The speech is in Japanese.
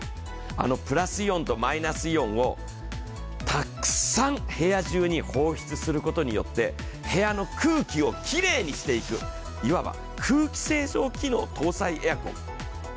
あのプラスイオンとマイナスイオンをたくさん部屋中に放出することによって部屋の空気をきれいにしていく、いわば空気清浄機能搭載エアコン。